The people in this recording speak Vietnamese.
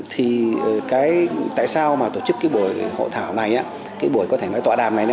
thì tại sao tổ chức buổi hộ thảo này buổi tọa đàm này